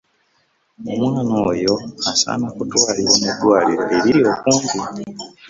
Omwana oyo asaana kutwalibwa mu ddwaliro eriri okumpi.